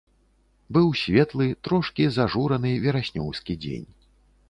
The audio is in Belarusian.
Быў светлы, трошкі зажураны, вераснёўскі дзень.